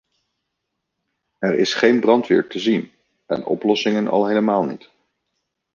Er is geen brandweer te zien en oplossingen al helemaal niet.